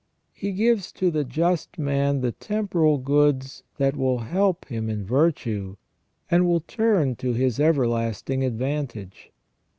He gives to the just man the temporal goods that will help him in virtue, and will turn to his everlasting advantage.